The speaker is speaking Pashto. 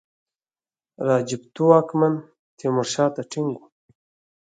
راجپوتو واکمن تیمورشاه ته ټینګ وو.